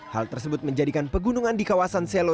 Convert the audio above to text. hal tersebut menjadikan pegunungan di kawasan selo